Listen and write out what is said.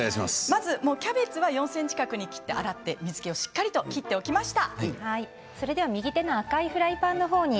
キャベツを４ｃｍ角に切って洗って水けをしっかり拭き取りました。